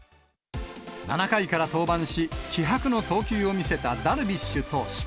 ７回から登板し、気迫の投球を見せたダルビッシュ投手。